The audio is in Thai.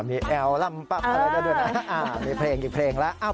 มีแอล่ำปับอะไรได้ด้วยนะมีเพลงอีกเพลงแล้ว